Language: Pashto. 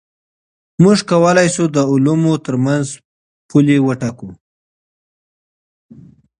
موږ کولای سو د علومو ترمنځ پولي وټاکو.